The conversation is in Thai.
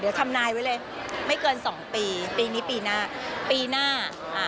เดี๋ยวทำนายไว้เลยไม่เกินสองปีปีนี้ปีหน้าปีหน้าอ่า